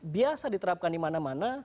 biasa diterapkan di mana mana